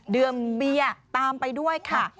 ดื่มเบียร์ตามไปด้วยค่ะ